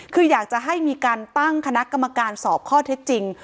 คืออยากจะให้มีการตั้งคณะกรรมการสอบข้อเท็จจริง